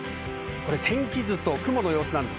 天気図と雲の様子です。